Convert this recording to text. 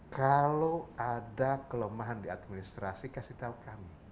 kalau ada kelemahan di administrasi kasih tahu kami